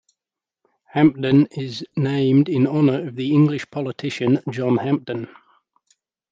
Hampden is named in honor of the English politician John Hampden.